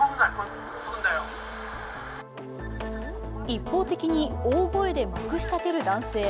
一方的に大声でまくし立てる男性。